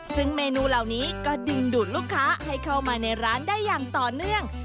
ซึ่งเมนูเหล่านี้ก็ดึงดูดลูกค้าให้เข้ามาในร้านได้อย่างต่อเนื่อง